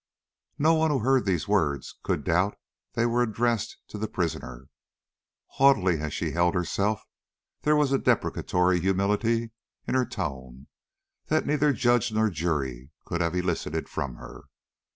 No one who heard these words could doubt they were addressed to the prisoner. Haughtily as she held herself, there was a deprecatory humility in her tone that neither judge nor jury could have elicited from her.